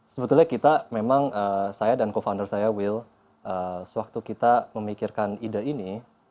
sebetulnya kita memang saya dan co founder saya will sewaktu kita memikirkan ide ini